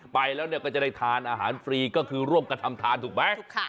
ไปแล้วเนี่ยก็จะได้ทานอาหารฟรีก็คือร่วมกันทำทานถูกไหม